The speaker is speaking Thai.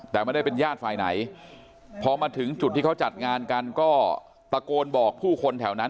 แต่ไม่ได้เป็นญาติฝ่ายไหนพอมาถึงจุดที่เขาจัดงานกันก็ตะโกนบอกผู้คนแถวนั้น